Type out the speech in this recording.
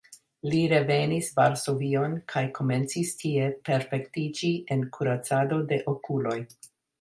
Li revenis Varsovion kaj komencis tie perfektiĝi en kuracado de okuloj.